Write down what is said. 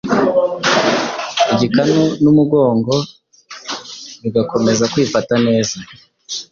igikanu n’umugongo bigakomeza kwifata neza